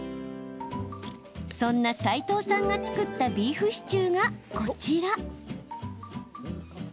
そんな、さいとうさんが作ったビーフシチューがこちら。